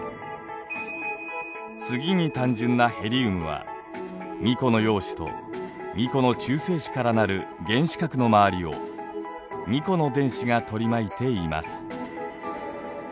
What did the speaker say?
次に単純なヘリウムは２個の陽子と２個の中性子から成る原子核の周りを２個の電子が取り巻いています。